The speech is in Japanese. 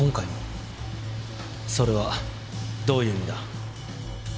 それはどういう意味だ？